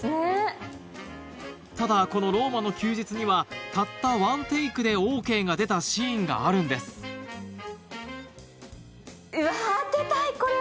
ただこの『ローマの休日』にはたった１テイクでＯＫが出たシーンがあるんですうわぁ。